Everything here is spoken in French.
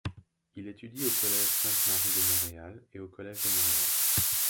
Il étudie au Collège Sainte-Marie de Montréal et au Collège de Montréal.